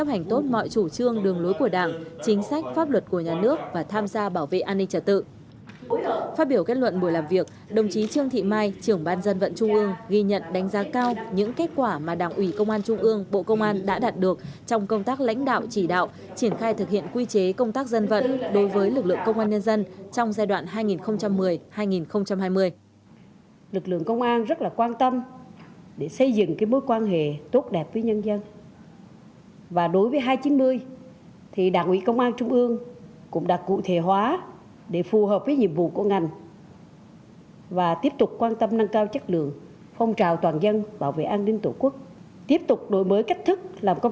phát biểu kết luận buổi làm việc đồng chí trương thị mai trưởng ban dân vận trung ương ghi nhận đánh giá cao những kết quả mà đảng ủy công an trung ương bộ công an đã đạt được trong công tác lãnh đạo chỉ đạo triển khai thực hiện quy chế công tác dân vận đối với lực lượng công an nhân dân trong giai đoạn hai nghìn một mươi hai nghìn hai mươi